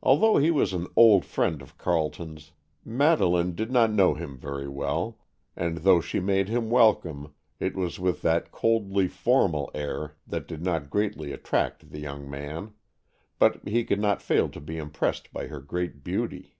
Although he was an old friend of Carleton's, Madeleine did not know him very well, and though she made him welcome, it was with that coldly formal air that did not greatly attract the young man, but he could not fail to be impressed by her great beauty.